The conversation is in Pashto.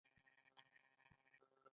زردالو له یخ سره خوند کوي.